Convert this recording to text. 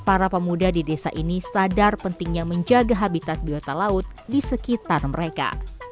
para pemuda di desa ini sadar pentingnya menjaga habitat biota laut di sekitar mereka